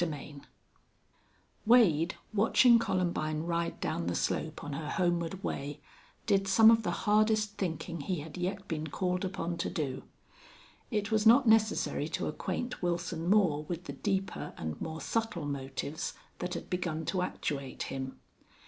CHAPTER XVI Wade, watching Columbine ride down the slope on her homeward way, did some of the hardest thinking he had yet been called upon to do. It was not necessary to acquaint Wilson Moore with the deeper and more subtle motives that had begun to actuate him.